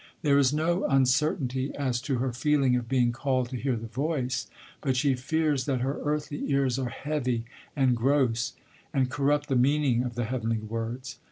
There is no uncertainty as to her feeling of being called to hear the voice, but she fears that her earthly ears are heavy and gross, and corrupt the meaning of the heavenly words.